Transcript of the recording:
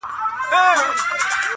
اورنګ دي اوس چپاو کوي پر پېغلو ګودرونو-